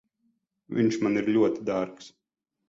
Viņš man ir ļoti dārgs.